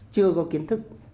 chưa có kiến thức